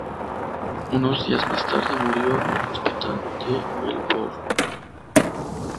Unos días más tarde murió en un hospital de Melbourne.